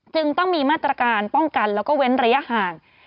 จึงต้องมีมาตรการป้องกันแล้วก็เว้นระยะห่าง